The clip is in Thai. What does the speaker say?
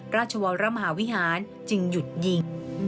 ราชวรมหาวิหารจึงหยุดยิง